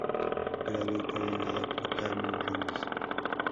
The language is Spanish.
Creado y coordinado por Carmen Ramos.